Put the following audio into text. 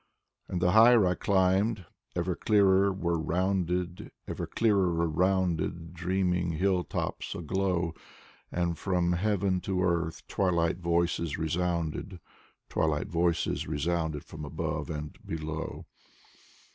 And the higher I climbed, eyer clearer were rounded, Ever clearer were rounded dreaming hilltops aglow ; And from Heaven to Earth twilight voices resounded. Twilight voices resounded from above and below.